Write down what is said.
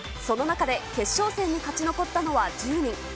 その中で決勝戦に勝ち残ったのは１０人。